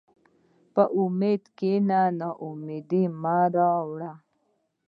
په امید کښېنه، ناامیدي مه راوړه.